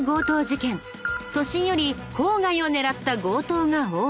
都心より郊外を狙った強盗が多い。